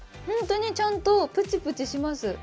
ホントにちゃんとプチプチします。